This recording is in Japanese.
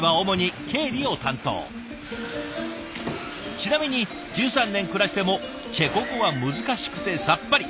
ちなみに１３年暮らしてもチェコ語は難しくてさっぱり。